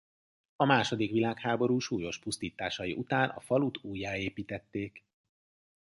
A második világháború súlyos pusztításai után a falut újjáépítették.